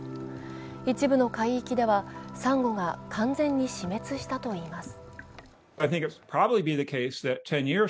一部の海域ではさんごが完全に死滅したといいます。